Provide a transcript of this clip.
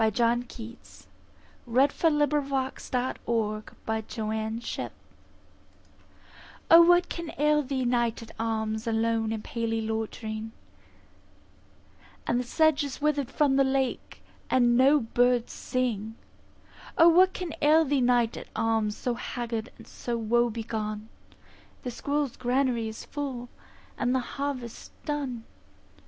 John Keats La Belle Dame sans Merci O, WHAT can ail thee, Knight at arms, Alone and palely loitering; The sedge is wither'd from the lake, And no birds sing. O, what can ail thee, Knight at arms, So haggard and so woe begone? The squirrel's granary is full, And the harvest's done.